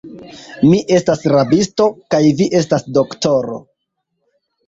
Mi estas rabisto, kaj vi estas doktoro.